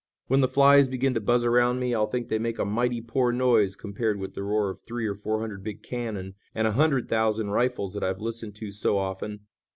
"When the flies begin to buzz around me I'll think they make a mighty poor noise compared with the roar of three or four hundred big cannon and a hundred thousand rifles that I've listened to so often.